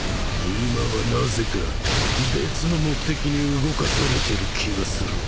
今はなぜか別の目的に動かされてる気がする。